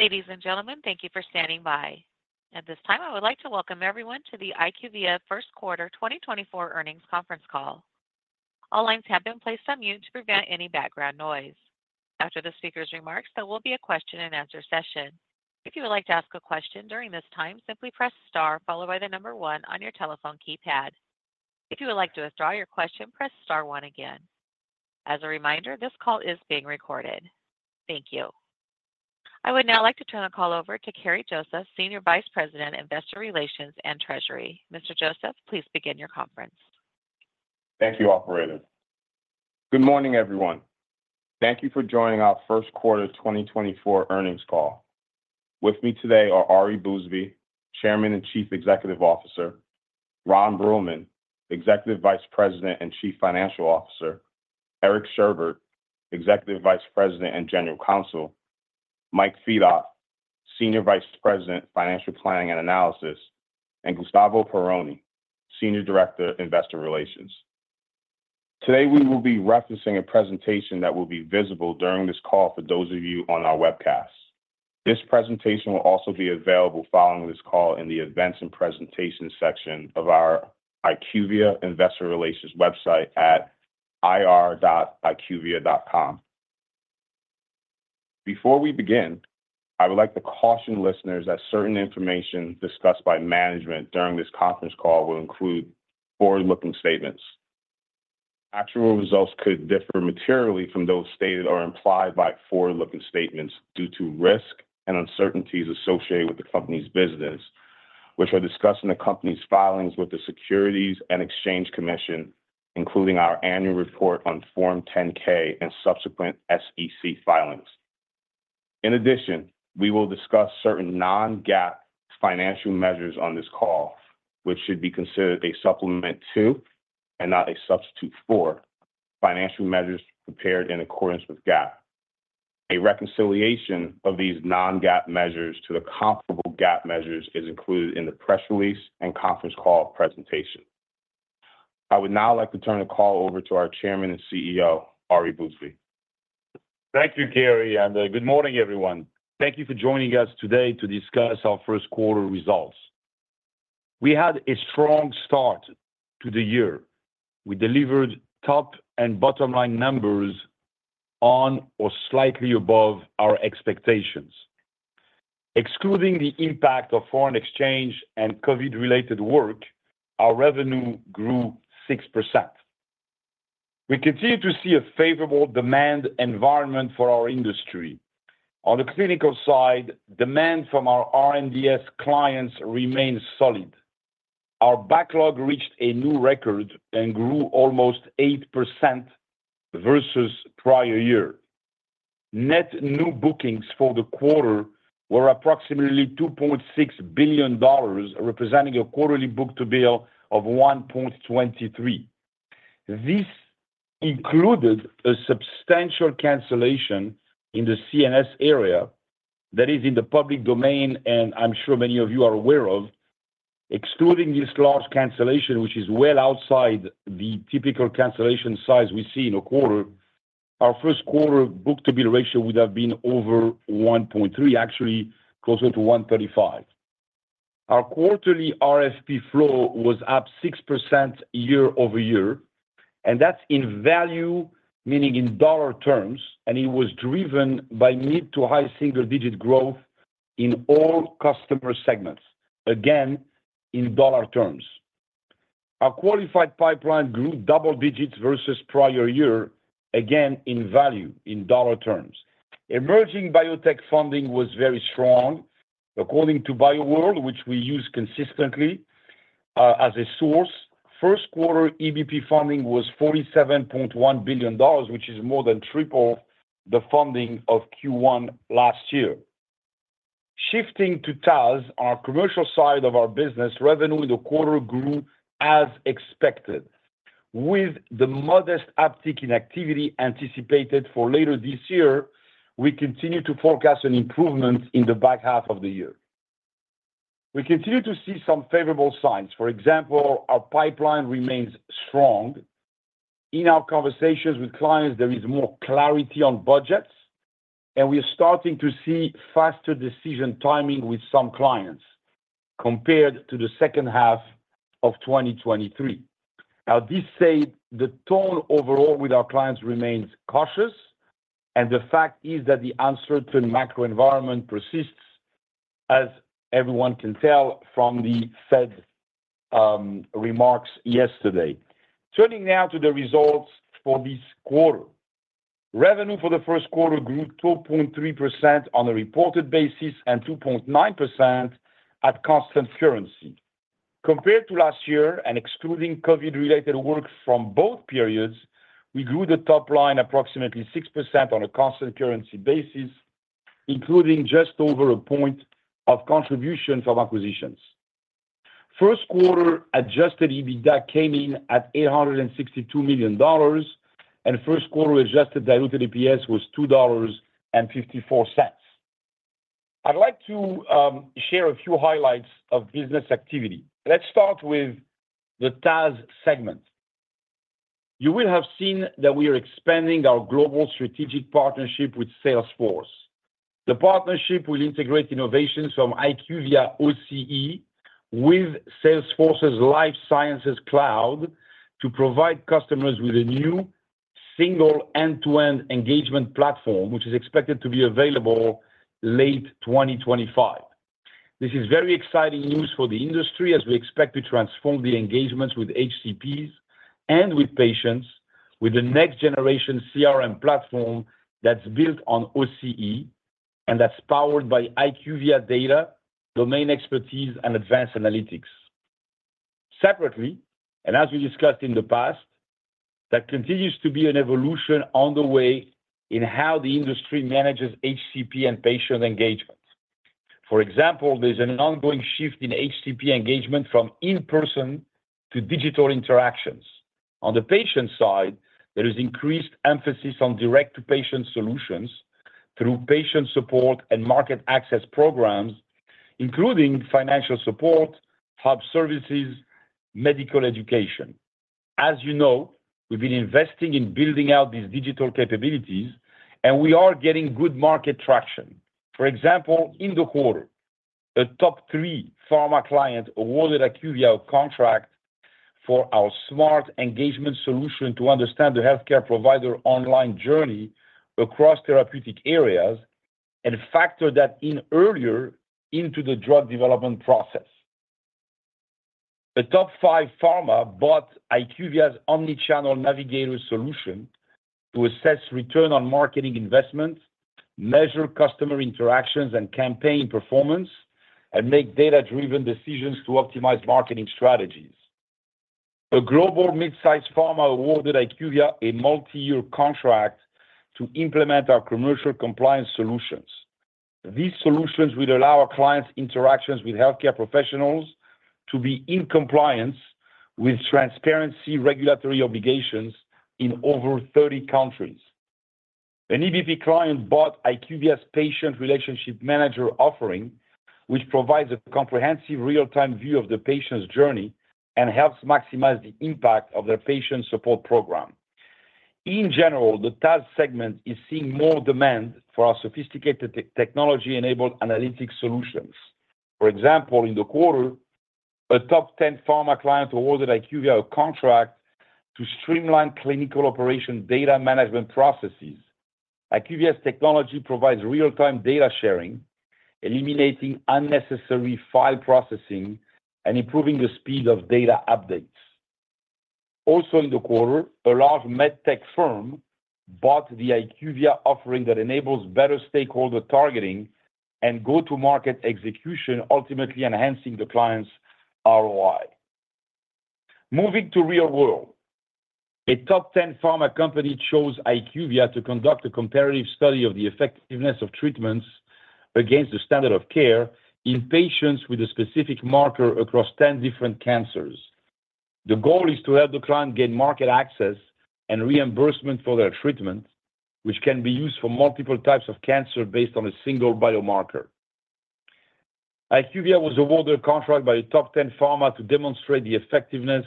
Ladies and gentlemen, thank you for standing by. At this time, I would like to welcome everyone to the IQVIA First Quarter 2024 Earnings Conference Call. All lines have been placed on mute to prevent any background noise. After the speaker's remarks, there will be a question and answer session. If you would like to ask a question during this time, simply press star followed by the number one on your telephone keypad. If you would like to withdraw your question, press star one again. As a reminder, this call is being recorded. Thank you. I would now like to turn the call over to Kerri Joseph, Senior Vice President, Investor Relations and Treasury. Ms. Joseph, please begin your conference. Thank you, operator. Good morning, everyone. Thank you for joining our first quarter 2024 earnings call. With me today are Ari Bousbib, Chairman and Chief Executive Officer, Ron Bruehlman, Executive Vice President and Chief Financial Officer, Eric Sherbet, Executive Vice President and General Counsel, Mike Fedock, Senior Vice President, Financial Planning and Analysis, and Gustavo Perrone, Senior Director, Investor Relations. Today, we will be referencing a presentation that will be visible during this call for those of you on our webcast. This presentation will also be available following this call in the Events and Presentations section of our IQVIA Investor Relations website at ir.iqvia.com. Before we begin, I would like to caution listeners that certain information discussed by management during this conference call will include forward-looking statements. Actual results could differ materially from those stated or implied by forward-looking statements due to risk and uncertainties associated with the company's business, which are discussed in the company's filings with the Securities and Exchange Commission, including our annual report on Form 10-K and subsequent SEC filings. In addition, we will discuss certain non-GAAP financial measures on this call, which should be considered a supplement to, and not a substitute for, financial measures prepared in accordance with GAAP. A reconciliation of these non-GAAP measures to the comparable GAAP measures is included in the press release and conference call presentation. I would now like to turn the call over to our Chairman and CEO, Ari Bousbib. Thank you, Kerri, and good morning, everyone. Thank you for joining us today to discuss our first quarter results. We had a strong start to the year. We delivered top and bottom-line numbers on or slightly above our expectations. Excluding the impact of foreign exchange and COVID-related work, our revenue grew 6%. We continue to see a favorable demand environment for our industry. On the clinical side, demand from our R&DS clients remains solid. Our backlog reached a new record and grew almost 8% versus prior year. Net new bookings for the quarter were approximately $2.6 billion, representing a quarterly book-to-bill of 1.23. This included a substantial cancellation in the CNS area that is in the public domain, and I'm sure many of you are aware of. Excluding this large cancellation, which is well outside the typical cancellation size we see in a quarter, our first quarter book-to-bill ratio would have been over 1.3, actually closer to 1.35. Our quarterly RFP flow was up 6% year-over-year, and that's in value, meaning in dollar terms, and it was driven by mid- to high single-digit growth in all customer segments, again, in dollar terms. Our qualified pipeline grew double digits versus prior year, again, in value, in dollar terms. Emerging biotech funding was very strong. According to BioWorld, which we use consistently, as a source, first quarter EBP funding was $47.1 billion, which is more than triple the funding of Q1 last year. Shifting to TAS, our commercial side of our business, revenue in the quarter grew as expected. With the modest uptick in activity anticipated for later this year, we continue to forecast an improvement in the back half of the year. We continue to see some favorable signs. For example, our pipeline remains strong. In our conversations with clients, there is more clarity on budgets, and we are starting to see faster decision timing with some clients compared to the second half of 2023. Now, this said, the tone overall with our clients remains cautious, and the fact is that the uncertain macro environment persists, as everyone can tell from the Fed, remarks yesterday. Turning now to the results for this quarter. Revenue for the first quarter grew 2.3% on a reported basis and 2.9% at constant currency. Compared to last year and excluding COVID-related work from both periods, we grew the top line approximately 6% on a constant currency basis, including just over a point of contribution from acquisitions. First quarter adjusted EBITDA came in at $862 million, and first quarter adjusted diluted EPS was $2.54. I'd like to share a few highlights of business activity. Let's start with the TAS segment.... You will have seen that we are expanding our global strategic partnership with Salesforce. The partnership will integrate innovations from IQVIA OCE with Salesforce's Life Sciences Cloud to provide customers with a new, single, end-to-end engagement platform, which is expected to be available late 2025. This is very exciting news for the industry, as we expect to transform the engagements with HCPs and with patients with the next generation CRM platform that's built on OCE, and that's powered by IQVIA data, domain expertise, and advanced analytics. Separately, and as we discussed in the past, there continues to be an evolution on the way in how the industry manages HCP and patient engagement. For example, there's an ongoing shift in HCP engagement from in-person to digital interactions. On the patient side, there is increased emphasis on direct-to-patient solutions through patient support and market access programs, including financial support, hub services, medical education. As you know, we've been investing in building out these digital capabilities, and we are getting good market traction. For example, in the quarter, a top three pharma client awarded IQVIA a contract for our Smart Engagement solution to understand the healthcare provider online journey across therapeutic areas and factor that in earlier into the drug development process. A top five pharma bought IQVIA's Omnichannel Navigator solution to assess return on marketing investment, measure customer interactions and campaign performance, and make data-driven decisions to optimize marketing strategies. A global mid-size pharma awarded IQVIA a multi-year contract to implement our Commercial Compliance Solutions. These solutions will allow our clients' interactions with healthcare professionals to be in compliance with transparency regulatory obligations in over 30 countries. An EBP client bought IQVIA's Patient Relationship Manager offering, which provides a comprehensive real-time view of the patient's journey and helps maximize the impact of their patient support program. In general, the TAS segment is seeing more demand for our sophisticated technology-enabled analytic solutions. For example, in the quarter, a top 10 pharma client awarded IQVIA a contract to streamline clinical operation data management processes. IQVIA's technology provides real-time data sharing, eliminating unnecessary file processing and improving the speed of data updates. Also in the quarter, a large med tech firm bought the IQVIA offering that enables better stakeholder targeting and go-to-market execution, ultimately enhancing the client's ROI. Moving to Real World. A top 10 pharma company chose IQVIA to conduct a comparative study of the effectiveness of treatments against the standard of care in patients with a specific marker across 10 different cancers. The goal is to help the client gain market access and reimbursement for their treatment, which can be used for multiple types of cancer based on a single biomarker. IQVIA was awarded a contract by a top ten pharma to demonstrate the effectiveness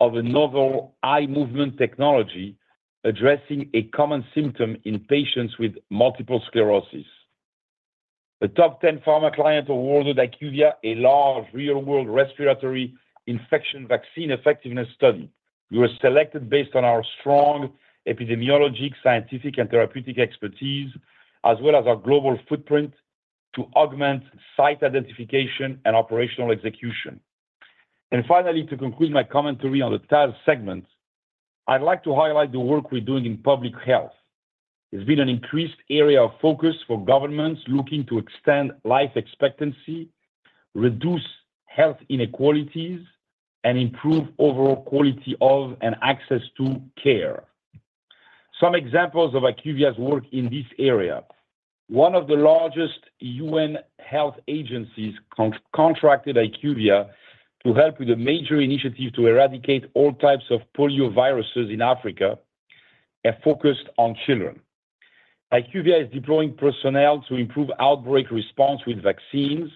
of a novel eye movement technology, addressing a common symptom in patients with multiple sclerosis. A top ten pharma client awarded IQVIA a large real-world respiratory infection vaccine effectiveness study. We were selected based on our strong epidemiologic, scientific, and therapeutic expertise, as well as our global footprint, to augment site identification and operational execution. Finally, to conclude my commentary on the TAS segment, I'd like to highlight the work we're doing in public health. It's been an increased area of focus for governments looking to extend life expectancy, reduce health inequalities, and improve overall quality of and access to care. Some examples of IQVIA's work in this area. One of the largest UN health agencies contracted IQVIA to help with a major initiative to eradicate all types of polioviruses in Africa and focused on children. IQVIA is deploying personnel to improve outbreak response with vaccines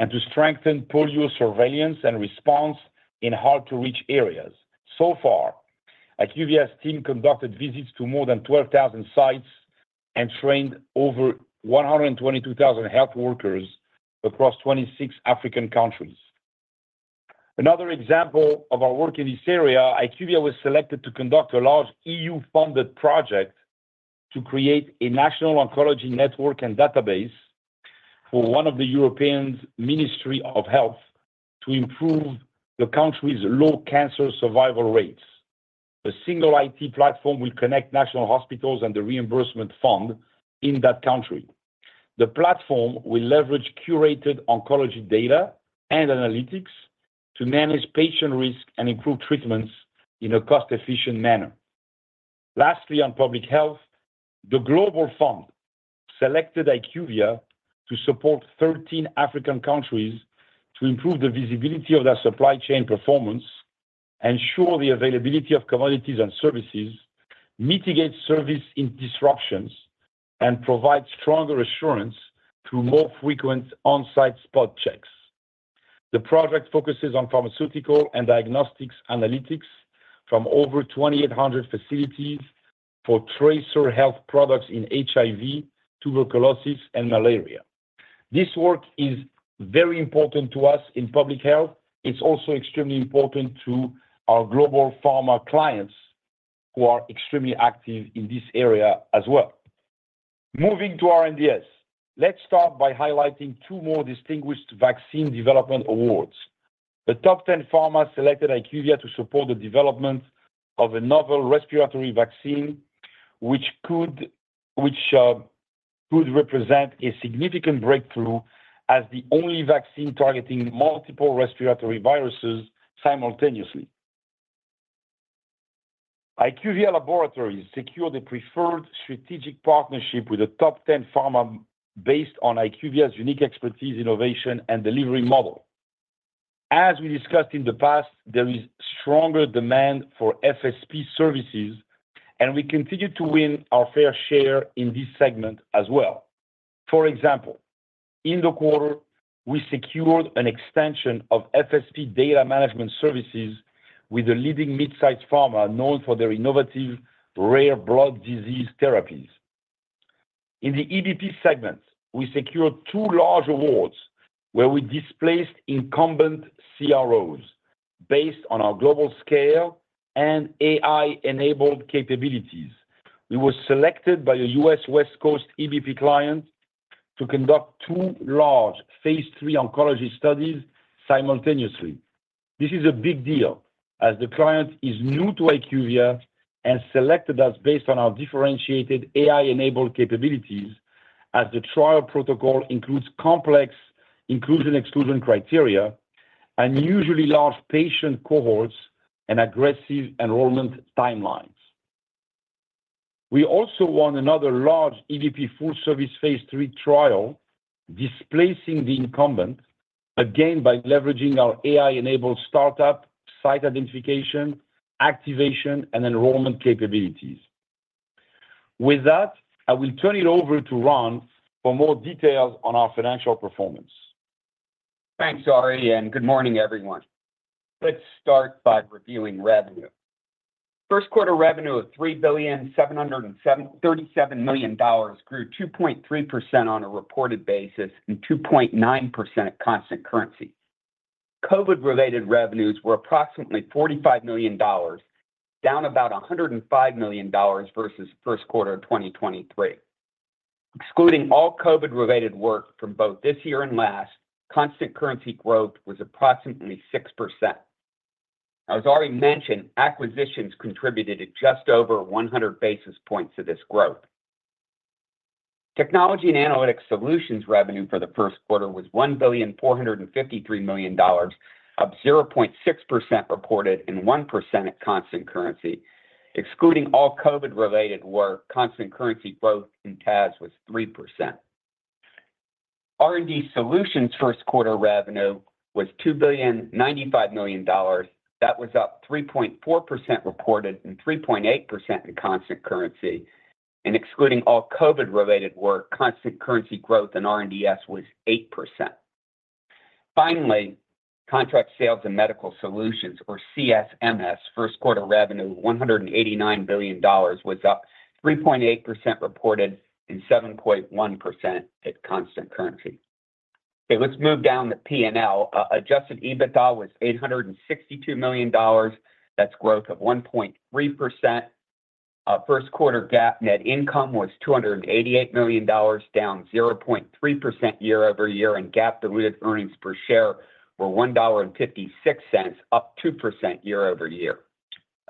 and to strengthen polio surveillance and response in hard-to-reach areas. So far, IQVIA's team conducted visits to more than 12,000 sites and trained over 122,000 health workers across 26 African countries. Another example of our work in this area, IQVIA was selected to conduct a large EU-funded project to create a national oncology network and database for one of Europe's Ministry of Health to improve the country's low cancer survival rates. A single IT platform will connect national hospitals and the reimbursement fund in that country. The platform will leverage curated oncology data and analytics to manage patient risk and improve treatments in a cost-efficient manner. Lastly, on public health, The Global Fund selected IQVIA to support 13 African countries to improve the visibility of their supply chain performance, ensure the availability of commodities and services, mitigate service disruptions, and provide stronger assurance through more frequent on-site spot checks. The project focuses on pharmaceutical and diagnostics analytics from over 2,800 facilities for tracer health products in HIV, tuberculosis, and malaria. This work is very important to us in public health. It's also extremely important to our global pharma clients, who are extremely active in this area as well. Moving to R&DS, let's start by highlighting two more distinguished vaccine development awards. The top 10 pharma selected IQVIA to support the development of a novel respiratory vaccine, which could represent a significant breakthrough as the only vaccine targeting multiple respiratory viruses simultaneously. IQVIA Laboratories secured a preferred strategic partnership with a top 10 pharma based on IQVIA's unique expertise, innovation, and delivery model. As we discussed in the past, there is stronger demand for FSP services, and we continue to win our fair share in this segment as well. For example, in the quarter, we secured an extension of FSP data management services with a leading mid-sized pharma, known for their innovative, rare blood disease therapies. In the EBP segment, we secured two large awards where we displaced incumbent CROs based on our global scale and AI-enabled capabilities. We were selected by a US West Coast EBP client to conduct two large phase III oncology studies simultaneously. This is a big deal as the client is new to IQVIA and selected us based on our differentiated AI-enabled capabilities, as the trial protocol includes complex inclusion, exclusion criteria, unusually large patient cohorts, and aggressive enrollment timelines. We also won another large EBP full-service phase III trial, displacing the incumbent, again, by leveraging our AI-enabled start-up, site identification, activation, and enrollment capabilities. With that, I will turn it over to Ron for more details on our financial performance. Thanks, Ari, and good morning, everyone. Let's start by reviewing revenue. First quarter revenue of $3,737 million grew 2.3% on a reported basis and 2.9% at constant currency. COVID-related revenues were approximately $45 million, down about $105 million versus first quarter of 2023. Excluding all COVID-related work from both this year and last, constant currency growth was approximately 6%. As Ari mentioned, acquisitions contributed at just over 100 basis points to this growth. Technology and Analytics Solutions revenue for the first quarter was $1,453 million, up 0.6% reported and 1% at constant currency. Excluding all COVID-related work, constant currency growth in TAS was 3%. R&D Solutions' first quarter revenue was $2,095 million. That was up 3.4% reported and 3.8% in constant currency, and excluding all COVID-related work, constant currency growth in R&DS was 8%. Finally, Contract Sales and Medical Solutions, or CSMS, first quarter revenue, $189 million, was up 3.8% reported and 7.1% at constant currency. Okay, let's move down to P&L. Adjusted EBITDA was $862 million. That's growth of 1.3%. First quarter GAAP net income was $288 million, down 0.3% year-over-year, and GAAP diluted earnings per share were $1.56, up 2% year-over-year.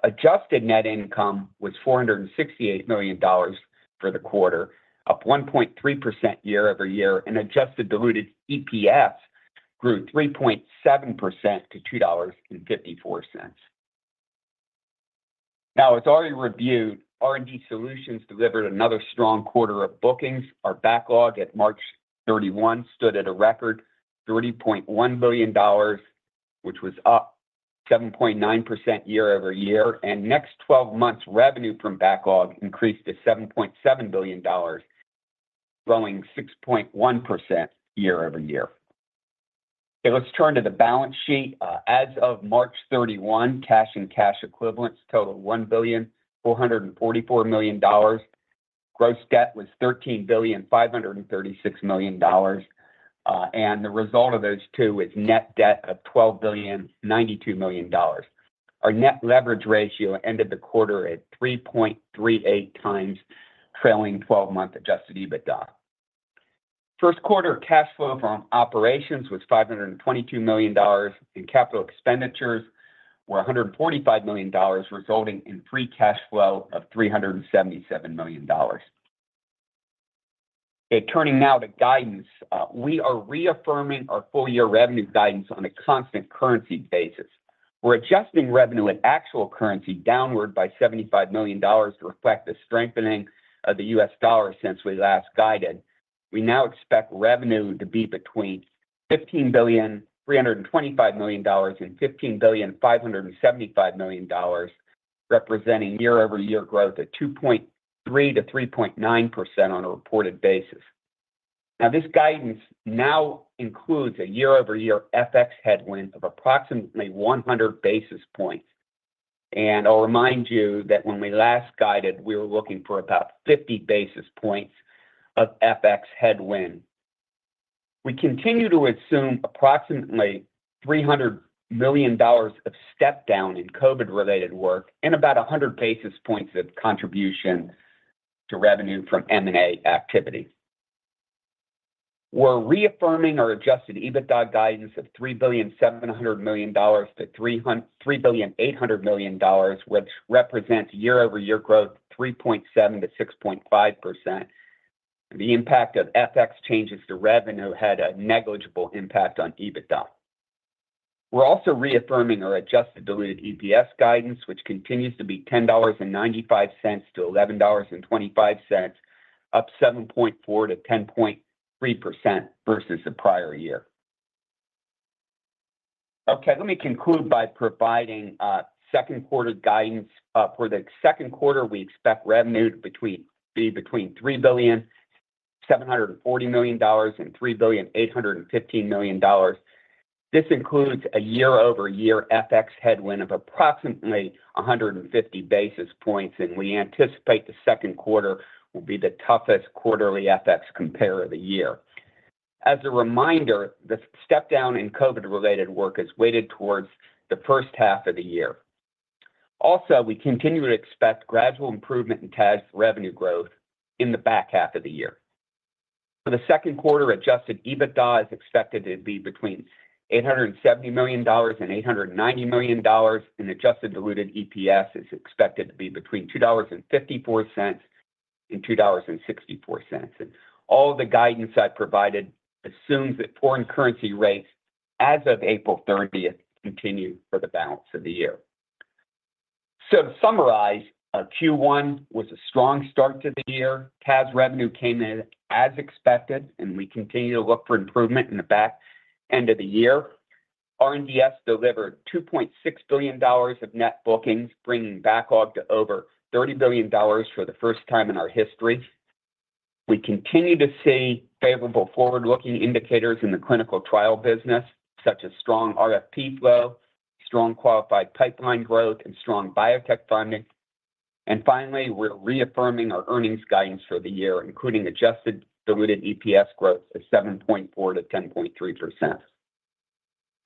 Adjusted net income was $468 million for the quarter, up 1.3% year-over-year, and adjusted diluted EPS grew 3.7% to $2.54. Now, as already reviewed, R&D Solutions delivered another strong quarter of bookings. Our backlog at March 31 stood at a record $30.1 billion, which was up 7.9% year-over-year, and next twelve months revenue from backlog increased to $7.7 billion, growing 6.1% year-over-year. Okay, let's turn to the balance sheet. As of March 31, cash and cash equivalents total $1,444 million. Gross debt was $13,536 million, and the result of those two is net debt of $12,092 million. Our net leverage ratio ended the quarter at 3.38 times, trailing twelve-month adjusted EBITDA. First quarter cash flow from operations was $522 million, and capital expenditures were $145 million, resulting in free cash flow of $377 million. Okay, turning now to guidance. We are reaffirming our full-year revenue guidance on a constant currency basis. We're adjusting revenue at actual currency downward by $75 million to reflect the strengthening of the US dollar since we last guided. We now expect revenue to be between $15.325 billion and $15.575 billion.... representing year-over-year growth at 2.3% to 3.9% on a reported basis. Now, this guidance now includes a year-over-year FX headwind of approximately 100 basis points. I'll remind you that when we last guided, we were looking for about 50 basis points of FX headwind. We continue to assume approximately $300 million of step-down in COVID-related work and about 100 basis points of contribution to revenue from M&A activity. We're reaffirming our adjusted EBITDA guidance of $3.7 billion to $3.8 billion, which represents year-over-year growth 3.7% to 6.5%. The impact of FX changes to revenue had a negligible impact on EBITDA. We're also reaffirming our adjusted diluted EPS guidance, which continues to be $10.95 to $11.25, up 7.4% to 10.3% versus the prior year. Okay, let me conclude by providing second quarter guidance. For the second quarter, we expect revenue to be between $3.74 billion and $3.815 billion. This includes a year-over-year FX headwind of approximately 150 basis points, and we anticipate the second quarter will be the toughest quarterly FX compare of the year. As a reminder, the step-down in COVID-related work is weighted towards the first half of the year. Also, we continue to expect gradual improvement in TAS revenue growth in the back half of the year. For the second quarter, adjusted EBITDA is expected to be between $870 million and $890 million, and adjusted diluted EPS is expected to be between $2.54 and $2.64. All the guidance I've provided assumes that foreign currency rates as of April 30th continue for the balance of the year. So to summarize, Q1 was a strong start to the year. TAS revenue came in as expected, and we continue to look for improvement in the back end of the year. R&DS delivered $2.6 billion of net bookings, bringing backlog to over $30 billion for the first time in our history. We continue to see favorable forward-looking indicators in the clinical trial business, such as strong RFP flow, strong qualified pipeline growth, and strong biotech funding. And finally, we're reaffirming our earnings guidance for the year, including adjusted diluted EPS growth of 7.4% to 10.3%.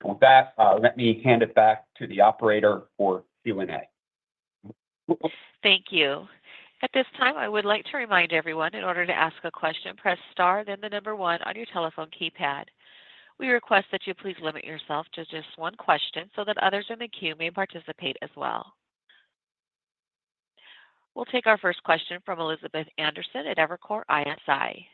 With that, let me hand it back to the operator for Q&A. Thank you. At this time, I would like to remind everyone, in order to ask a question, press Star, then the number one on your telephone keypad. We request that you please limit yourself to just one question so that others in the queue may participate as well. We'll take our first question from Elizabeth Anderson at Evercore ISI.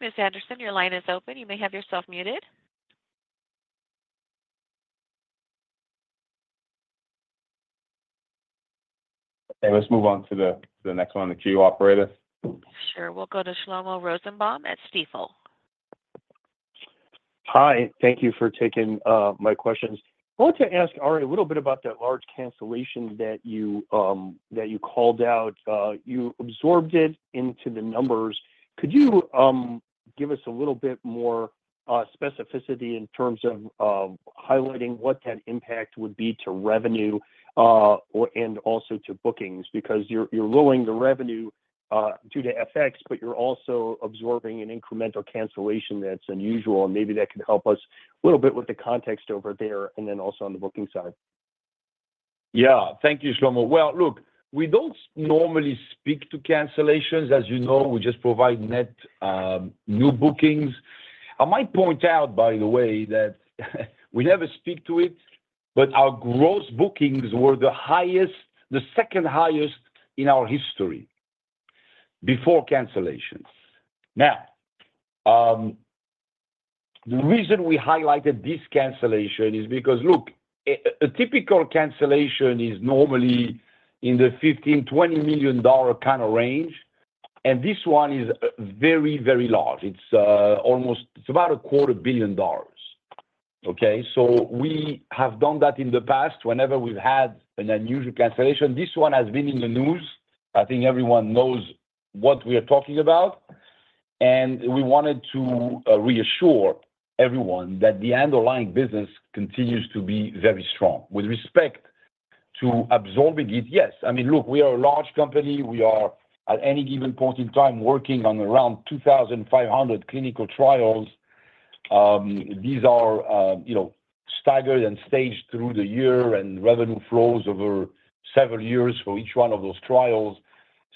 Ms. Anderson, your line is open. You may have yourself muted. Hey, let's move on to the next one on the queue, operator. Sure. We'll go to Shlomo Rosenbaum at Stifel. Hi, thank you for taking my questions. I wanted to ask Ari a little bit about that large cancellation that you, that you called out. You absorbed it into the numbers. Could you give us a little bit more specificity in terms of highlighting what that impact would be to revenue, or, and also to bookings? Because you're, you're lowering the revenue due to FX, but you're also absorbing an incremental cancellation that's unusual, and maybe that could help us a little bit with the context over there, and then also on the booking side. Yeah. Thank you, Shlomo. Well, look, we don't normally speak to cancellations. As you know, we just provide net new bookings. I might point out, by the way, that we never speak to it, but our gross bookings were the highest, the second highest in our history before cancellations. Now, the reason we highlighted this cancellation is because, look, a typical cancellation is normally in the $15 million to $20 million kind of range, and this one is very, very large. It's almost. It's about $250 million, okay? So we have done that in the past whenever we've had an unusual cancellation. This one has been in the news. I think everyone knows what we are talking about, and we wanted to reassure everyone that the underlying business continues to be very strong. With respect to absorbing it, yes. I mean, look, we are a large company. We are, at any given point in time, working on around 2,500 clinical trials. These are, you know, staggered and staged through the year and revenue flows over several years for each one of those trials.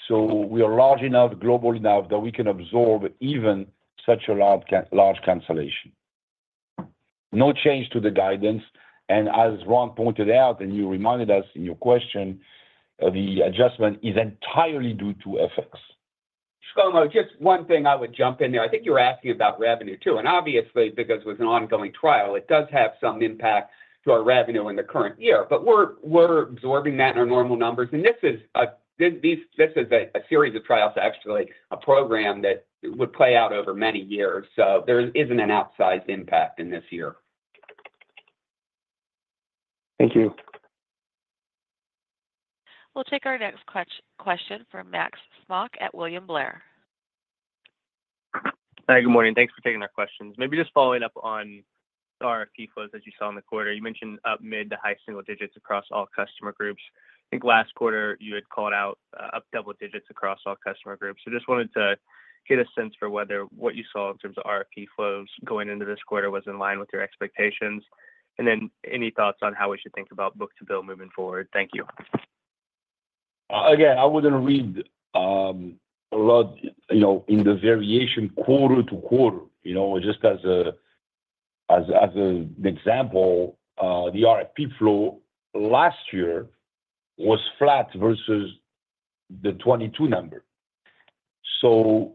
So we are large enough, global enough, that we can absorb even such a large cancellation. No change to the guidance, and as Ron pointed out, and you reminded us in your question, the adjustment is entirely due to effects. Shlomo, just one thing I would jump in there. I think you're asking about revenue too, and obviously, because it was an ongoing trial, it does have some impact to our revenue in the current year. But we're absorbing that in our normal numbers, and this is a series of trials, actually, a program that would play out over many years. So there isn't an outsized impact in this year. ... Thank you. We'll take our next question from Max Smock at William Blair. Hi, good morning. Thanks for taking our questions. Maybe just following up on RFP flows that you saw in the quarter. You mentioned up mid- to high-single digits across all customer groups. I think last quarter you had called out up double-digits across all customer groups. So just wanted to get a sense for whether what you saw in terms of RFP flows going into this quarter was in line with your expectations, and then any thoughts on how we should think about book-to-bill moving forward? Thank you. Again, I wouldn't read a lot, you know, in the variation quarter to quarter, you know. Just as an example, the RFP flow last year was flat versus the 2022 number. So,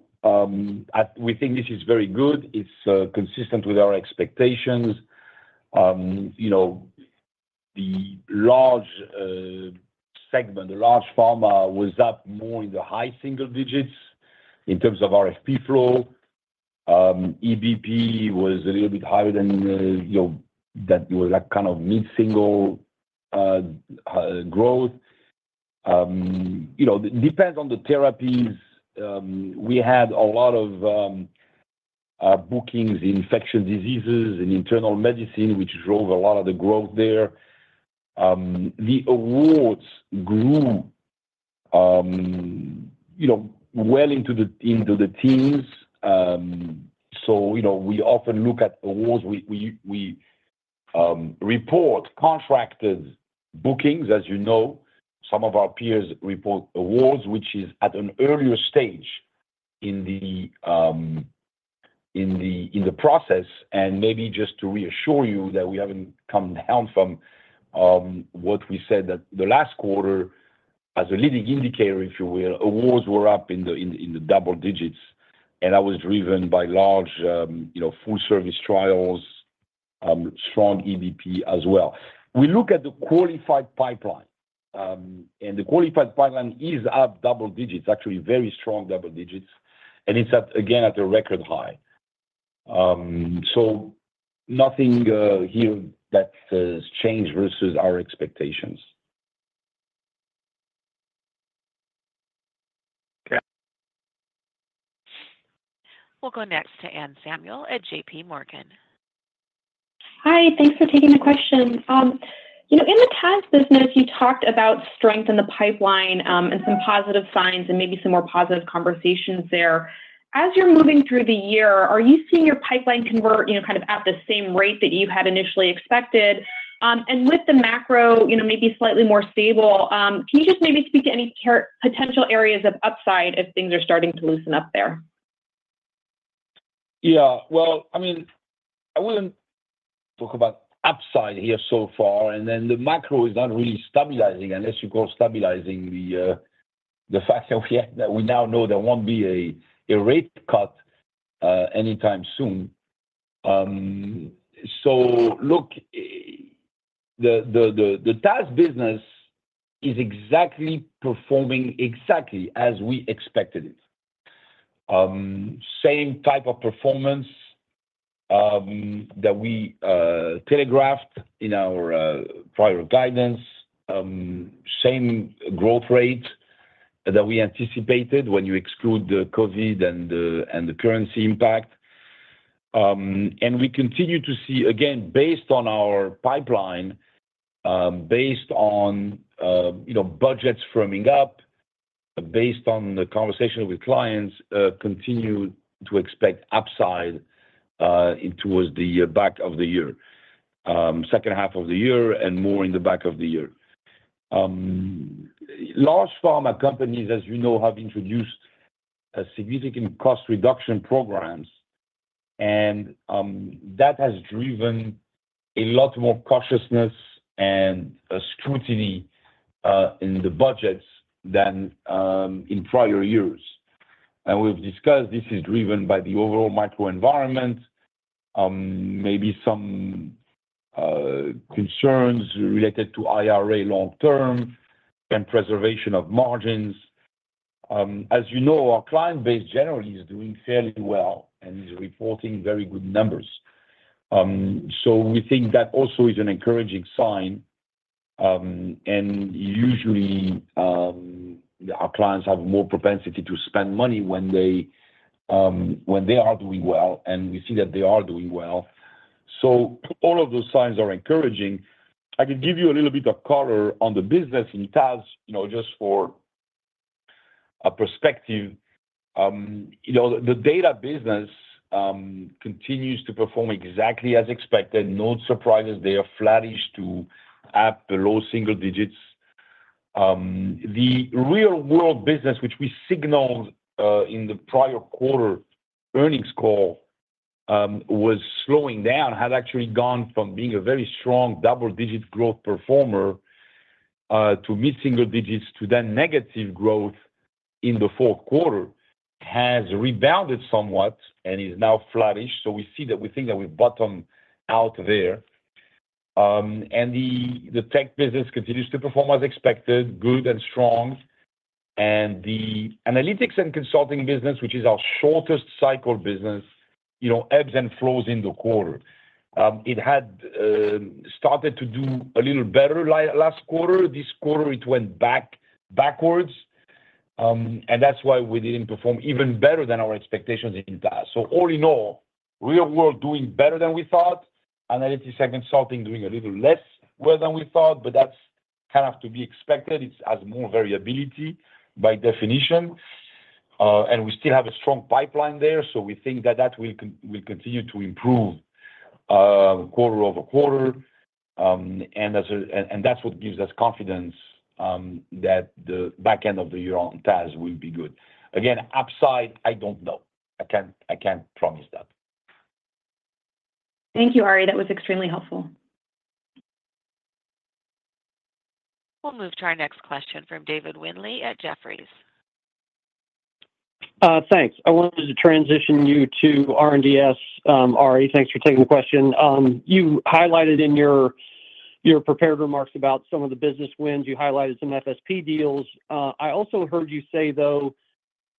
we think this is very good. It's consistent with our expectations. You know, the large segment, the large pharma was up more in the high single digits in terms of RFP flow. EBP was a little bit higher than, you know, that was like kind of mid-single growth. You know, depends on the therapies. We had a lot of bookings, infectious diseases and internal medicine, which drove a lot of the growth there. The awards grew, you know, well into the teens. So, you know, we often look at awards. We report contracted bookings as you know. Some of our peers report awards, which is at an earlier stage in the process. And maybe just to reassure you that we haven't come down from what we said that the last quarter as a leading indicator, if you will, awards were up in the double digits, and that was driven by large, you know, full-service trials, strong EBP as well. We look at the qualified pipeline, and the qualified pipeline is up double digits, actually very strong double digits, and it's at, again, at a record high. So nothing here that has changed versus our expectations. Okay. We'll go next to Anne Samuel at J.P. Morgan. Hi, thanks for taking the question. You know, in the TAS business, you talked about strength in the pipeline, and some positive signs and maybe some more positive conversations there. As you're moving through the year, are you seeing your pipeline convert, you know, kind of at the same rate that you had initially expected? And with the macro, you know, maybe slightly more stable, can you just maybe speak to any potential areas of upside if things are starting to loosen up there? Yeah. Well, I mean, I wouldn't talk about upside here so far, and then the macro is not really stabilizing unless you call stabilizing the fact that we have that we now know there won't be a rate cut anytime soon. So look, the TAS business is exactly performing exactly as we expected it. Same type of performance that we telegraphed in our prior guidance. Same growth rate that we anticipated when you exclude the COVID and the currency impact. And we continue to see, again, based on our pipeline, based on you know, budgets firming up, based on the conversation with clients, continue to expect upside towards the back of the year, second half of the year and more in the back of the year. Large pharma companies, as you know, have introduced a significant cost reduction programs, and that has driven a lot more cautiousness and scrutiny in the budgets than in prior years. And we've discussed. This is driven by the overall macro environment, maybe some concerns related to IRA, long term, and preservation of margins. As you know, our client base generally is doing fairly well and is reporting very good numbers. So we think that also is an encouraging sign. And usually, our clients have more propensity to spend money when they, when they are doing well, and we see that they are doing well. So all of those signs are encouraging. I can give you a little bit of color on the business in TAS, you know, just for a perspective. You know, the data business continues to perform exactly as expected. No surprises there, flattish to up the low single digits. The Real World business, which we signaled in the prior quarter earnings call, was slowing down, had actually gone from being a very strong double-digit growth performer to mid-single digits, to then negative growth in the fourth quarter, has rebounded somewhat and is now flattish. So we see that we think that we bottom out there. And the tech business continues to perform as expected, good and strong. And the analytics and consulting business, which is our shortest cycle business, you know, ebbs and flows in the quarter. It had started to do a little better last quarter. This quarter, it went backwards, and that's why we didn't perform even better than our expectations in that. So all in all, Real World doing better than we thought, analytics and consulting doing a little less well than we thought, but that's kind of to be expected. It has more variability by definition, and we still have a strong pipeline there, so we think that that will continue to improve quarter over quarter. And that's what gives us confidence that the back end of the year on task will be good. Again, upside, I don't know. I can't, I can't promise that. Thank you, Ari. That was extremely helpful. We'll move to our next question from David Windley at Jefferies. Thanks. I wanted to transition you to R&DS. Ari, thanks for taking the question. You highlighted in your prepared remarks about some of the business wins. You highlighted some FSP deals. I also heard you say, though,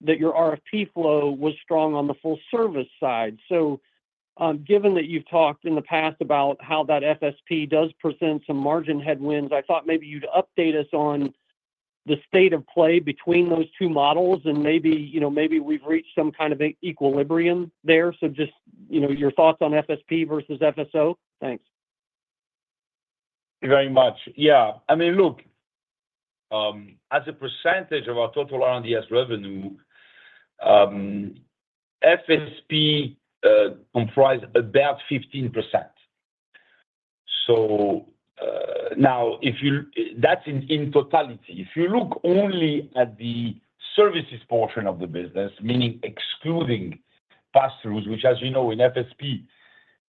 that your RFP flow was strong on the full service side. So, given that you've talked in the past about how that FSP does present some margin headwinds, I thought maybe you'd update us on the state of play between those two models and maybe, you know, maybe we've reached some kind of a equilibrium there. So just, you know, your thoughts on FSP versus FSO. Thanks. Very much. Yeah. I mean, look, as a percentage of our total R&DS revenue, FSP comprise about 15%. So... Now, if you-- that's in totality. If you look only at the services portion of the business, meaning excluding pass-throughs, which as you know, in FSP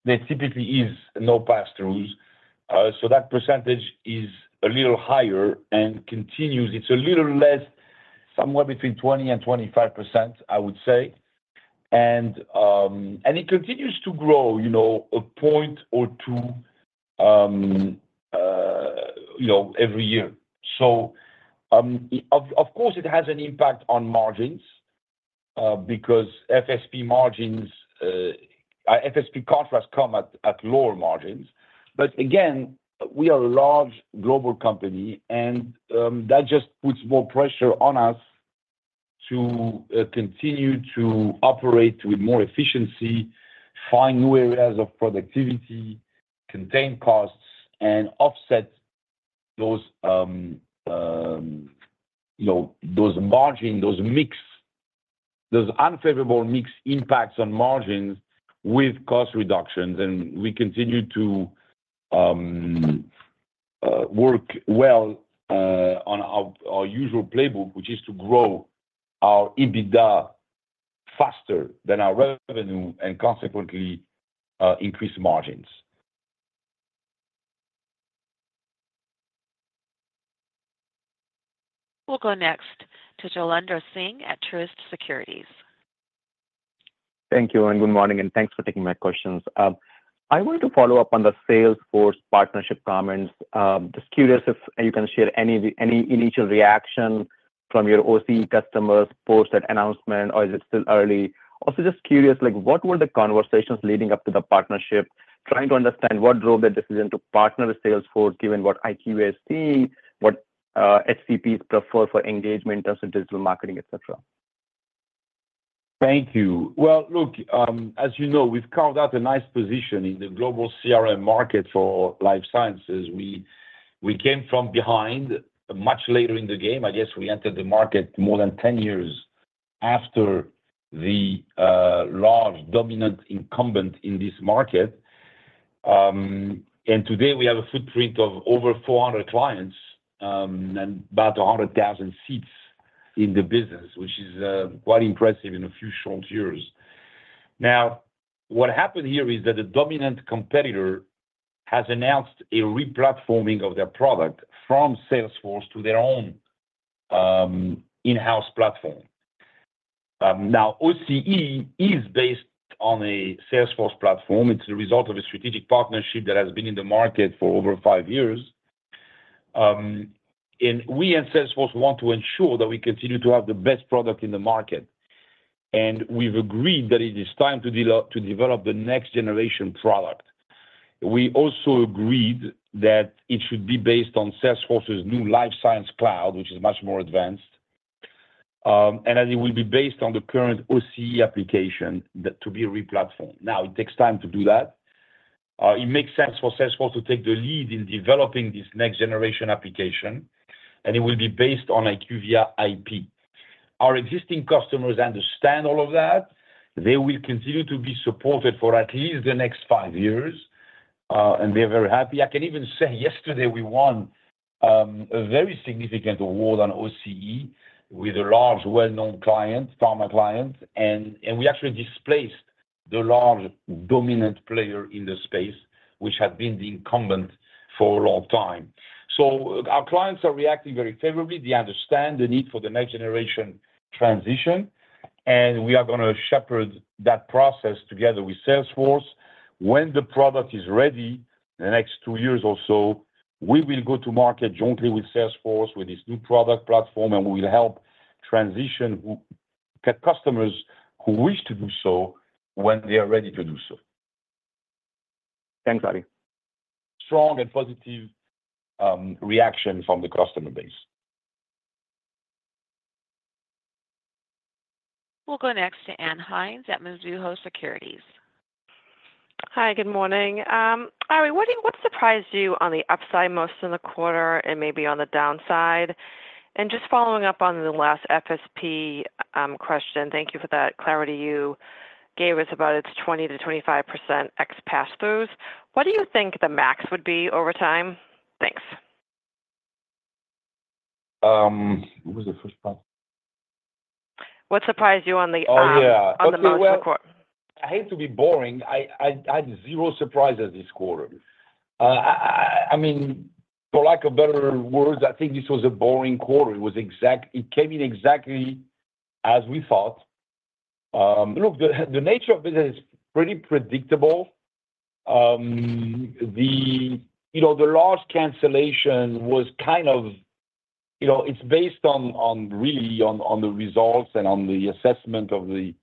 there typically is no pass-throughs, so that percentage is a little higher and continues. It's a little less, somewhere between 20% to 25%, I would say. And, and it continues to grow, you know, a point or two, you know, every year. So, of course, it has an impact on margins, because FSP margins, FSP contracts come at lower margins. But again, we are a large global company, and that just puts more pressure on us to continue to operate with more efficiency, find new areas of productivity, contain costs, and offset those, you know, those unfavorable mix impacts on margins with cost reductions. And we continue to work well on our usual playbook, which is to grow our EBITDA faster than our revenue and consequently increase margins. We'll go next to Jailendra Singh at Truist Securities. Thank you, and good morning, and thanks for taking my questions. I wanted to follow up on the Salesforce partnership comments. Just curious if you can share any initial reaction from your OCE customers post that announcement, or is it still early? Also, just curious, like, what were the conversations leading up to the partnership? Trying to understand what drove the decision to partner with Salesforce, given what IQVIA's seeing, what HCPs prefer for engagement as a digital marketing, et cetera. Thank you. Well, look, as you know, we've carved out a nice position in the global CRM market for life sciences. We came from behind much later in the game. I guess we entered the market more than 10 years after the large, dominant incumbent in this market. And today, we have a footprint of over 400 clients and about 100,000 seats in the business, which is quite impressive in a few short years. Now, what happened here is that the dominant competitor has announced a re-platforming of their product from Salesforce to their own in-house platform. Now, OCE is based on a Salesforce platform. It's a result of a strategic partnership that has been in the market for over five years. And we and Salesforce want to ensure that we continue to have the best product in the market, and we've agreed that it is time to develop the next generation product. We also agreed that it should be based on Salesforce's new Life Sciences Cloud, which is much more advanced, and that it will be based on the current OCE application, that to be re-platformed. Now, it takes time to do that. It makes sense for Salesforce to take the lead in developing this next generation application, and it will be based on IQVIA IP. Our existing customers understand all of that. They will continue to be supported for at least the next five years, and we are very happy. I can even say yesterday we won a very significant award on OCE with a large, well-known client, pharma client, and we actually displaced the large, dominant player in the space, which had been the incumbent for a long time. So our clients are reacting very favorably. They understand the need for the next generation transition, and we are gonna shepherd that process together with Salesforce... when the product is ready in the next two years or so, we will go to market jointly with Salesforce, with this new product platform, and we will help transition customers who wish to do so when they are ready to do so. Thanks, Ari. Strong and positive reaction from the customer base. We'll go next to Ann Hynes at Mizuho Securities. Hi, good morning. Ari, what surprised you on the upside most in the quarter and maybe on the downside? And just following up on the last FSP question, thank you for that clarity you gave us about its 20% to 25% ex pass-throughs. What do you think the max would be over time? Thanks. What was the first part? What surprised you on the? Oh, yeah On the most quarter? I hate to be boring. I had zero surprises this quarter. I mean, for lack of better words, I think this was a boring quarter. It came in exactly as we thought. Look, the nature of business is pretty predictable. You know, the large cancellation was kind of, you know, it's based really on the results and on the assessment of the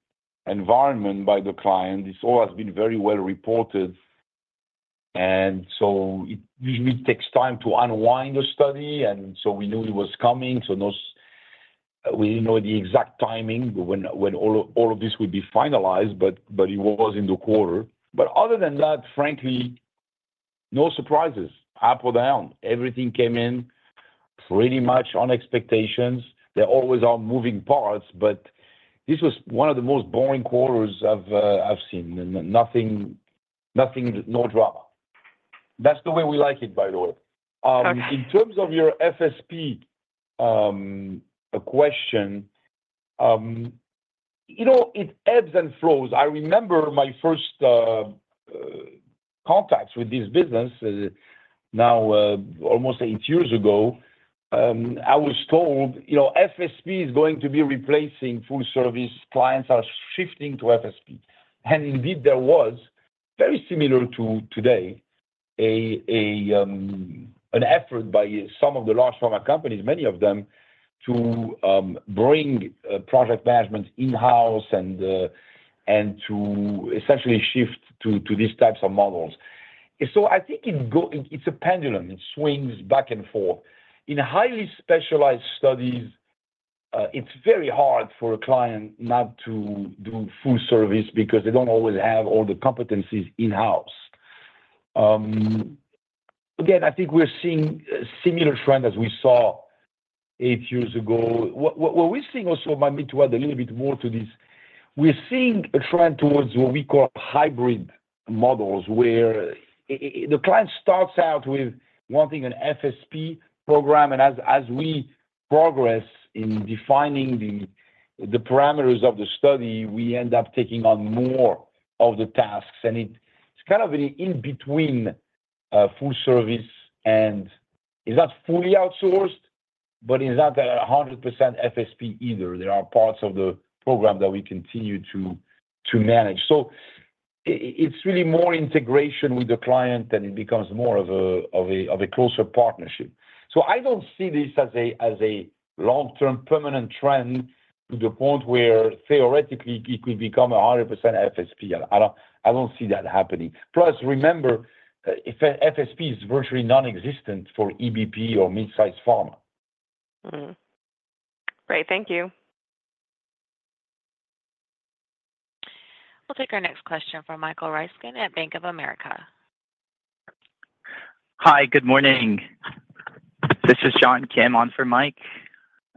environment by the client. This all has been very well reported, and so it usually takes time to unwind a study, and so we knew it was coming. So those... We didn't know the exact timing when all of this would be finalized, but it was in the quarter. But other than that, frankly, no surprises, up or down. Everything came in pretty much on expectations. There always are moving parts, but this was one of the most boring quarters I've, I've seen. Nothing, nothing, no drama. That's the way we like it, by the way. In terms of your FSP question, you know, it ebbs and flows. I remember my first contacts with this business, now almost eight years ago, I was told, "You know, FSP is going to be replacing full service. Clients are shifting to FSP." And indeed, there was, very similar to today, an effort by some of the large pharma companies, many of them, to bring project management in-house and, and to essentially shift to, to these types of models. So I think it go-- it, it's a pendulum. It swings back and forth. In highly specialized studies, it's very hard for a client not to do full service because they don't always have all the competencies in-house. Again, I think we're seeing a similar trend as we saw eight years ago. What we're seeing also, permit me to add a little bit more to this, we're seeing a trend towards what we call hybrid models, where the client starts out with wanting an FSP program, and as we progress in defining the parameters of the study, we end up taking on more of the tasks, and it's kind of an in-between full service, and it's not fully outsourced, but it's not 100% FSP either. There are parts of the program that we continue to manage. So it's really more integration with the client, and it becomes more of a closer partnership. So I don't see this as a long-term permanent trend to the point where theoretically it could become 100% FSP. I don't see that happening. Plus, remember, if FSP is virtually nonexistent for EBP or mid-sized pharma. Mm-hmm. Great, thank you. We'll take our next question from Michael Ryskin at Bank of America. Hi, good morning. This is John Kim on for Mike.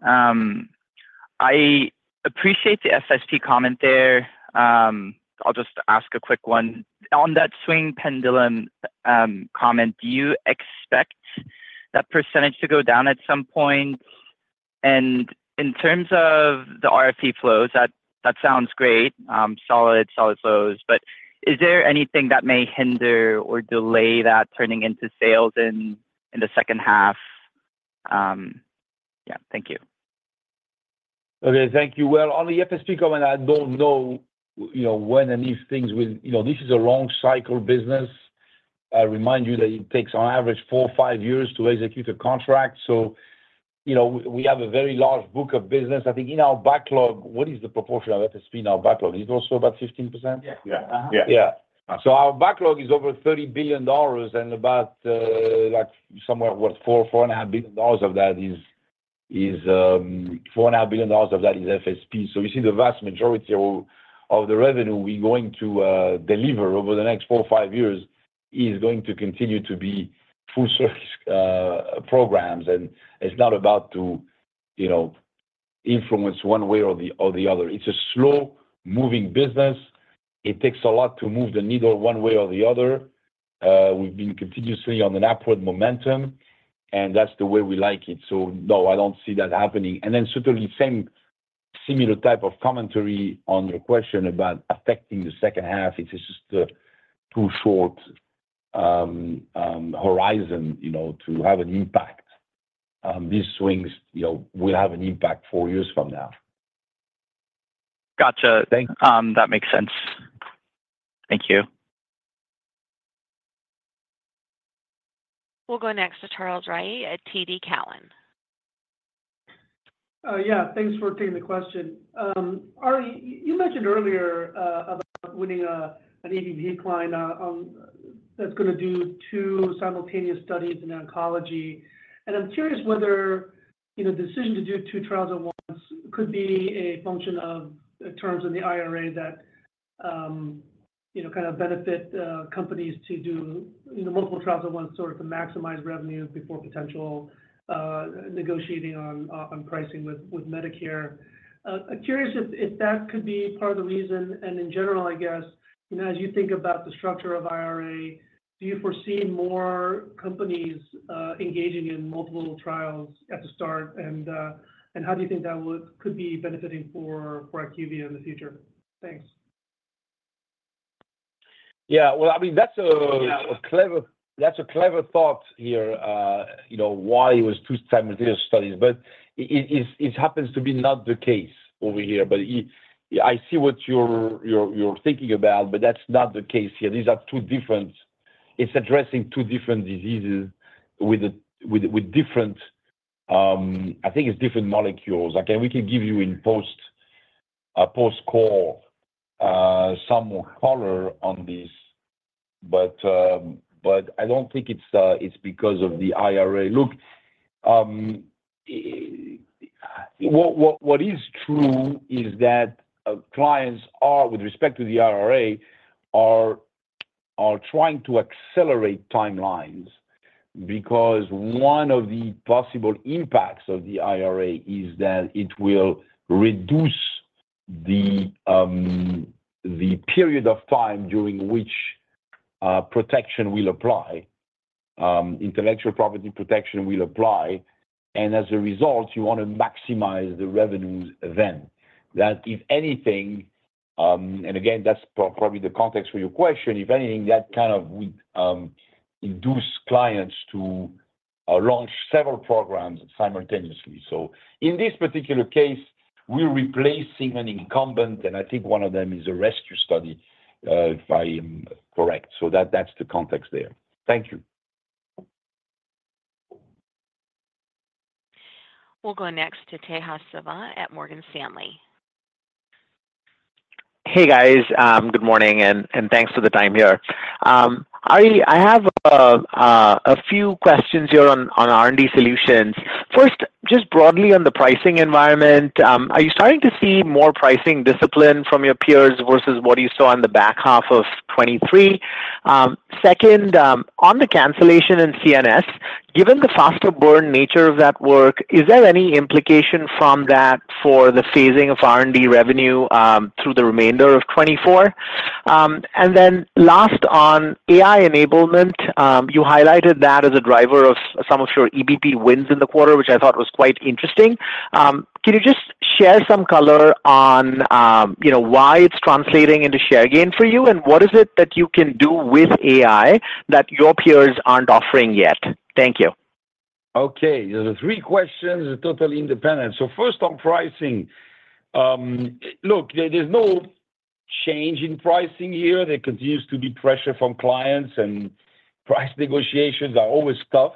I appreciate the FSP comment there. I'll just ask a quick one. On that swing pendulum comment, do you expect that percentage to go down at some point? And in terms of the RFP flows, that, that sounds great. Solid, solid flows, but is there anything that may hinder or delay that turning into sales in, in the second half? Yeah, thank you. Okay, thank you. Well, on the FSP comment, I don't know, you know, when any of these things will... You know, this is a long cycle business. I remind you that it takes, on average, four to five years to execute a contract. So, you know, we, we have a very large book of business. I think in our backlog, what is the proportion of FSP in our backlog? It's also about 15%? Yeah. Yeah. Uh-huh. Yeah. So our backlog is over $30 billion, and about $4.5 billion of that is FSP. So you see, the vast majority of the revenue we're going to deliver over the next four or five years is going to continue to be full service programs, and it's not about to, you know, influence one way or the other. It's a slow-moving business. It takes a lot to move the needle one way or the other. We've been continuously on an upward momentum, and that's the way we like it. So no, I don't see that happening. And then certainly same similar type of commentary on your question about affecting the second half. It is just a too short horizon, you know, to have an impact. These swings, you know, will have an impact four years from now.... Gotcha. That makes sense. Thank you. We'll go next to Charles Rhyee at TD Cowen. Yeah, thanks for taking the question. Ari, you mentioned earlier about winning an EBP client that's gonna do two simultaneous studies in oncology. And I'm curious whether, you know, the decision to do two trials at once could be a function of the terms in the IRA that, you know, kind of benefit companies to do, you know, multiple trials at once, sort of to maximize revenue before potential negotiating on pricing with Medicare. I'm curious if that could be part of the reason, and in general, I guess, you know, as you think about the structure of IRA, do you foresee more companies engaging in multiple trials at the start? And how do you think that could be benefiting for IQVIA in the future? Thanks. Yeah, well, I mean, that's a clever thought here, you know, why it was two simultaneous studies, but it happens to be not the case over here. But I see what you're thinking about, but that's not the case here. These are two different. It's addressing two different diseases with different, I think it's different molecules. Again, we can give you in post-call some more color on this, but I don't think it's because of the IRA. Look, what is true is that clients are, with respect to the IRA, trying to accelerate timelines because one of the possible impacts of the IRA is that it will reduce the period of time during which protection will apply, intellectual property protection will apply. And as a result, you want to maximize the revenues then. That if anything, and again, that's probably the context for your question, if anything, that kind of would induce clients to launch several programs simultaneously. So in this particular case, we're replacing an incumbent, and I think one of them is a rescue study, if I am correct. So that's the context there. Thank you. We'll go next to Tejas Savant at Morgan Stanley. Hey, guys. Good morning, and thanks for the time here. Ari, I have a few questions here on R&D solutions. First, just broadly on the pricing environment, are you starting to see more pricing discipline from your peers versus what you saw in the back half of 2023? Second, on the cancellation in CNS, given the faster burn nature of that work, is there any implication from that for the phasing of R&D revenue through the remainder of 2024? And then last on AI enablement, you highlighted that as a driver of some of your EBP wins in the quarter, which I thought was quite interesting. Can you just share some color on you know, why it's translating into share gain for you? What is it that you can do with AI that your peers aren't offering yet? Thank you. Okay, there are three questions, totally independent. So first, on pricing. Look, there's no change in pricing here. There continues to be pressure from clients, and price negotiations are always tough.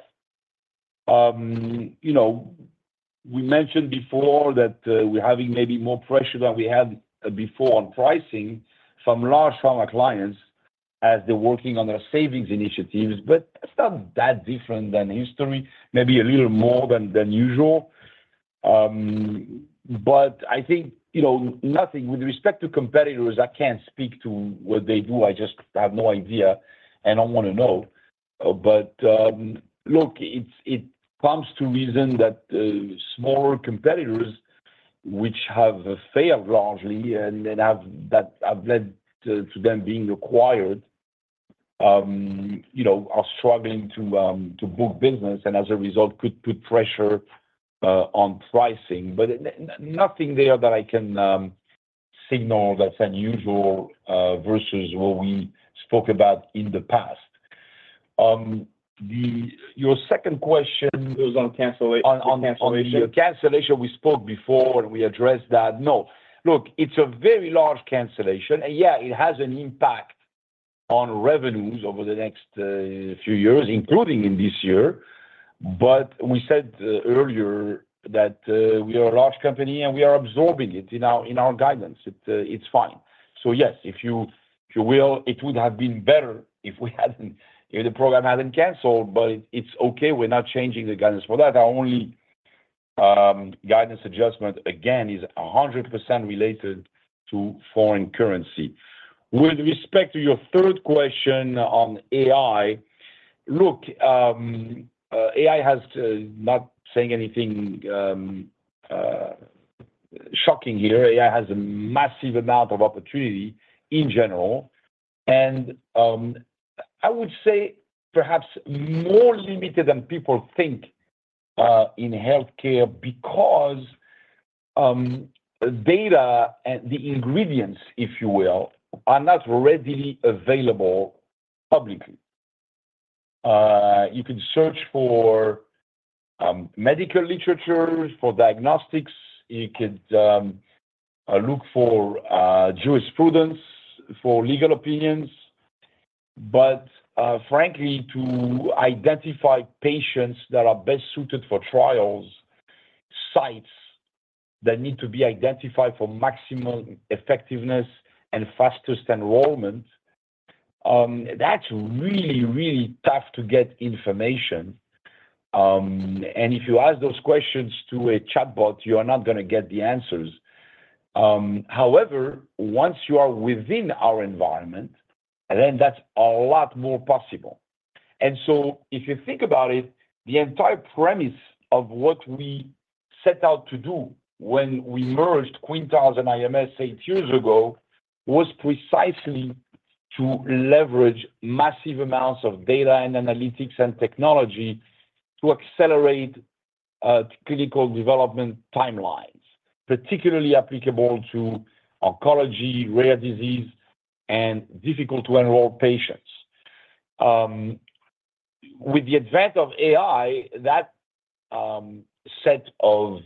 You know, we mentioned before that we're having maybe more pressure than we had before on pricing from large pharma clients as they're working on their savings initiatives, but it's not that different than history. Maybe a little more than usual. But I think, you know, nothing... With respect to competitors, I can't speak to what they do. I just have no idea, and I don't want to know. But, look, it's- it comes to reason that smaller competitors, which have failed largely and then have, that have led to, to them being acquired, you know, are struggling to book business and as a result, could put pressure on pricing. But nothing there that I can signal that's unusual versus what we spoke about in the past. Your second question- Was on cancellation. On the cancellation, we spoke before, and we addressed that. No. Look, it's a very large cancellation, and yeah, it has an impact on revenues over the next few years, including in this year. But we said earlier that we are a large company, and we are absorbing it in our guidance. It's fine. So yes, if you will, it would have been better if we hadn't, if the program hadn't canceled, but it's okay. We're not changing the guidance for that. Our only guidance adjustment, again, is 100% related to foreign currency. With respect to your third question on AI, look, AI has not saying anything shocking here. AI has a massive amount of opportunity in general, and I would say perhaps more limited than people think in healthcare because data and the ingredients, if you will, are not readily available publicly. You can search for medical literature for diagnostics. You could look for jurisprudence for legal opinions. But frankly, to identify patients that are best suited for trials, sites that need to be identified for maximum effectiveness and fastest enrollment, that's really, really tough to get information. And if you ask those questions to a chatbot, you are not gonna get the answers. However, once you are within our environment, then that's a lot more possible. And so if you think about it, the entire premise of what we set out to do when we merged Quintiles and IMS eight years ago, was precisely to leverage massive amounts of data and analytics and technology to accelerate clinical development timelines, particularly applicable to oncology, rare disease, and difficult-to-enroll patients. With the advent of AI, that set of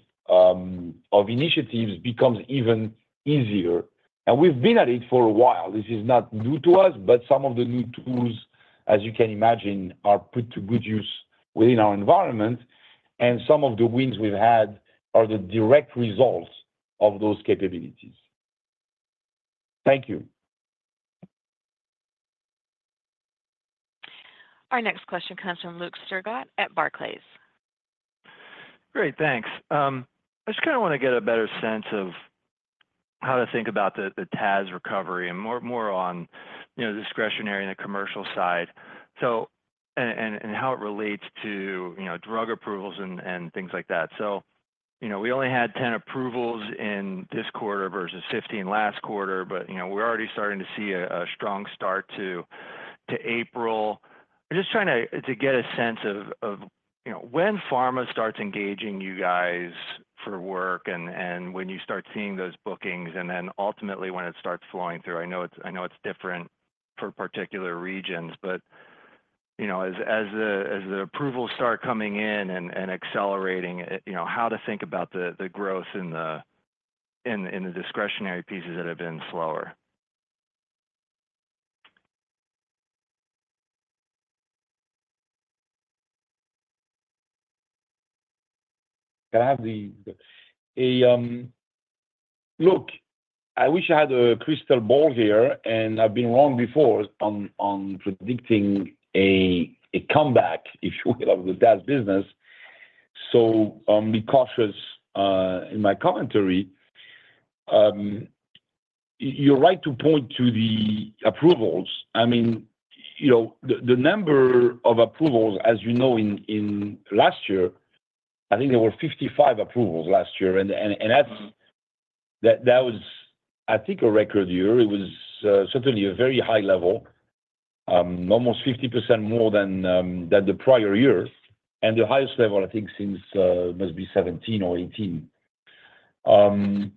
initiatives becomes even easier, and we've been at it for a while. This is not new to us, but some of the new tools, as you can imagine, are put to good use within our environment, and some of the wins we've had are the direct results of those capabilities. Thank you. Our next question comes from Luke Sergott at Barclays. Great, thanks. I just kind of want to get a better sense of how to think about the TAS recovery and more on, you know, the discretionary and the commercial side, and how it relates to, you know, drug approvals and things like that. So, you know, we only had 10 approvals in this quarter versus 15 last quarter, but, you know, we're already starting to see a strong start to April. I'm just trying to get a sense of, you know, when pharma starts engaging you guys for work and when you start seeing those bookings, and then ultimately, when it starts flowing through. I know it's different for particular regions, but, you know, as the approvals start coming in and accelerating, you know, how to think about the growth in the discretionary pieces that have been slower. Look, I wish I had a crystal ball here, and I've been wrong before on predicting a comeback, if you will, of the TAS business. So I'll be cautious in my commentary. You're right to point to the approvals. I mean, you know, the number of approvals, as you know, in last year, I think there were 55 approvals last year. And that's- Mm-hmm. That, that was, I think, a record year. It was certainly a very high level, almost 50% more than the prior years, and the highest level, I think, since must be 2017 or 2018.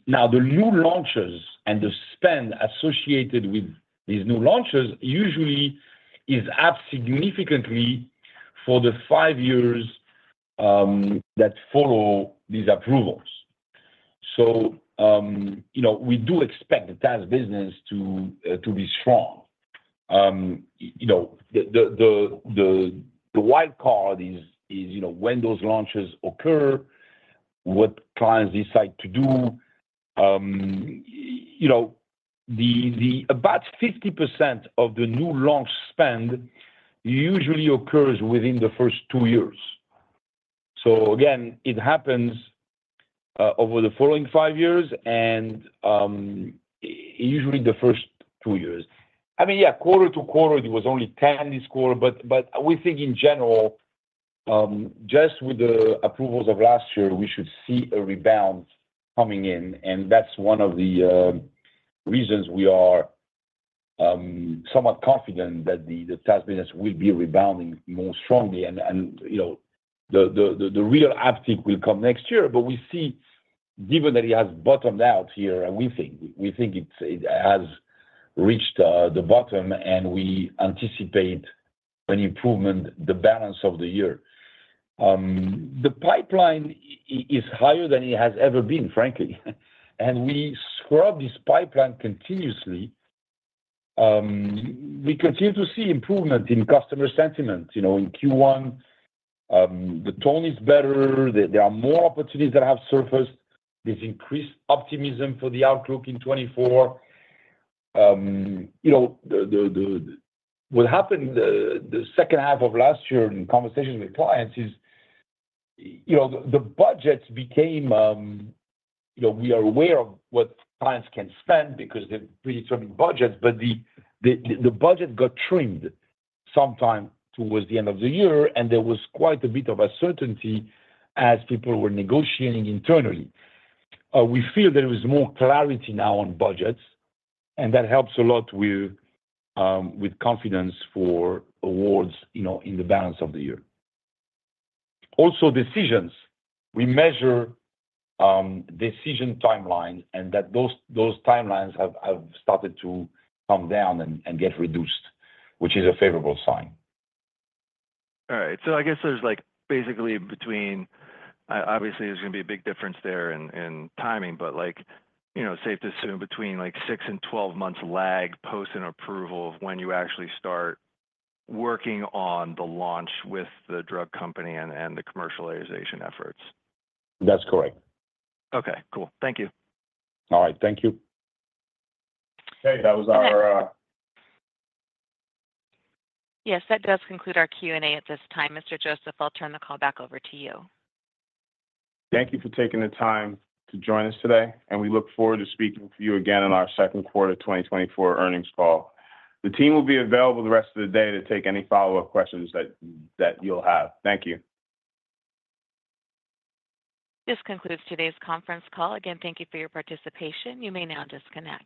Now, the new launches and the spend associated with these new launches usually is up significantly for the five years that follow these approvals. So, you know, we do expect the TAS business to be strong. You know, the wild card is, you know, when those launches occur, what clients decide to do. You know, about 50% of the new launch spend usually occurs within the first two years. So again, it happens over the following five years and usually the first two years. I mean, yeah, quarter to quarter, it was only 10 this quarter, but we think in general, just with the approvals of last year, we should see a rebound coming in, and that's one of the reasons we are somewhat confident that the TAS business will be rebounding more strongly. And, you know, the real uptick will come next year. But we see, given that it has bottomed out here, and we think it has reached the bottom, and we anticipate an improvement the balance of the year. The pipeline is higher than it has ever been, frankly, and we scrub this pipeline continuously. We continue to see improvement in customer sentiment. You know, in Q1, the tone is better. There are more opportunities that have surfaced. There's increased optimism for the outlook in 2024. You know, what happened the second half of last year in conversations with clients is, you know, the budgets became—you know, we are aware of what clients can spend because they're predicting budgets, but the budget got trimmed sometime towards the end of the year, and there was quite a bit of uncertainty as people were negotiating internally. We feel there is more clarity now on budgets, and that helps a lot with confidence for awards, you know, in the balance of the year. Also, decisions. We measure decision timeline, and those timelines have started to come down and get reduced, which is a favorable sign. All right. So I guess there's, like, basically between... Obviously, there's gonna be a big difference there in timing, but, like, you know, safe to assume between, like, six and 12 months lag, post-approval of when you actually start working on the launch with the drug company and the commercialization efforts? That's correct. Okay, cool. Thank you. All right, thank you. Okay, that was our, Yes, that does conclude our Q&A at this time. Ms. Joseph, I'll turn the call back over to you. Thank you for taking the time to join us today, and we look forward to speaking with you again in our second quarter 2024 earnings call. The team will be available the rest of the day to take any follow-up questions that you'll have. Thank you. This concludes today's conference call. Again, thank you for your participation. You may now disconnect.